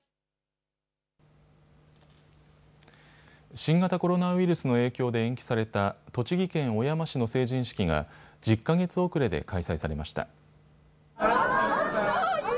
新型コロナウイルスの影響で延期された栃木県小山市の成人式が１０か月遅れで開催されました。